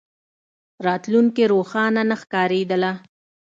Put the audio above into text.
راتلونکې روښانه نه ښکارېدله.